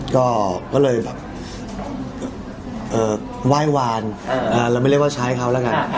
ก็เลยแบบไหว้วานเราไม่เรียกว่าใช้เขาแล้วกัน